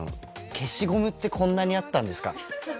消しゴムってこんなにあったんですか？